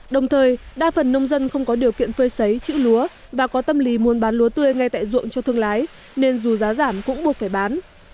đồng thời đa phần nông dân không có điều kiện phơi xấy chữ lúa và có tâm lý muốn bán lúa tươi ngay tại ruộng cho thương lái nên dù giá giảm cũng buộc phải bán